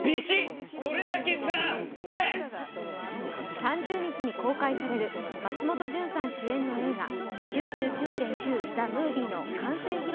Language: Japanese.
３０日に公開される松本潤さん主演の映画「９９．９−ＴＨＥＭＯＶＩＥ」の完成披露